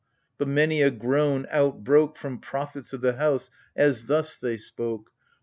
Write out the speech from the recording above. But many a groan outbroke From prophets of the House as thus they spoke.